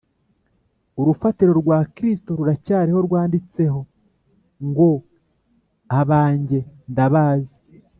Urufatiro rwa kristo ruracyariho rwanditseho ngo abange ndabazi